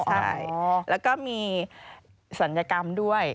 ใช่แล้วก็มีศัลยกรรมด้วย